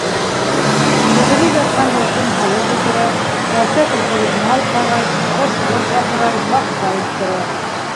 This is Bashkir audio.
Төҙөлөп ятҡан йортон һалып бөтөрә, кәртә тултырып мал ҡарай, ҡош-ҡорт аҫрай, баҡса үҫтерә.